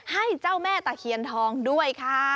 ให้เจ้าแม่ตะเคียนทองด้วยค่ะ